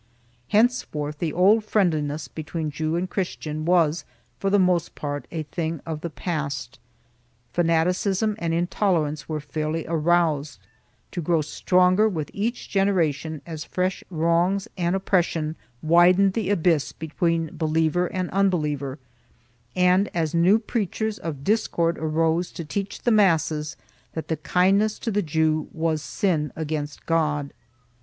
Henceforth the old friendliness between Jew and Christian was, for the most part, a thing of the past. Fanaticism and intolerance were fairly aroused, to grow stronger with each generation as fresh wrongs and oppres sion widened the abyss between believer and unbeliever and as new preachers of discord arose to teach the masses that kindness to the Jew was sin against God.